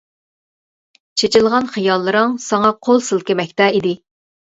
چېچىلغان خىياللىرىڭ ساڭا قول سىلكىمەكتە ئىدى.